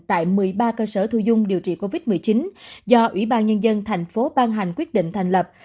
tại một mươi ba cơ sở thu dung điều trị covid một mươi chín do ủy ban nhân dân thành phố ban hành quyết định thành lập